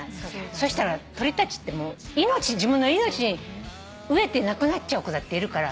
そしたら鳥たちってもう自分の命飢えて亡くなっちゃう子だっているから。